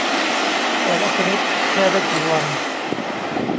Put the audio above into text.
แต่ละชนิดแช่ได้กี่วัน